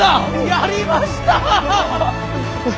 やりましたぁ！